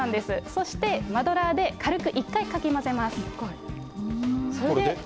そしてマドラーで軽く１回かき混ぜます。